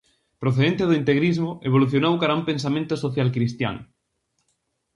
Procedente do integrismo, evolucionou cara a un pensamento socialcristián.